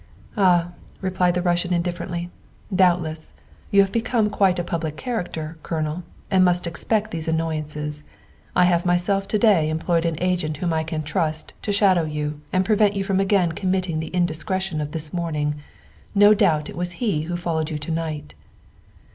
"Ah," replied the Russian indifferently, " doubtless. You have become quite a public character, Colonel, and must expect these annoyances. I have myself to day employed an agent whom I can trust to shadow you and prevent you from again committing the indiscretion of this morning. No doubt it was he who followed you to night."